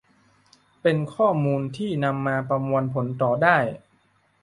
เป็นข้อมูลที่นำมาประมวลผลต่อได้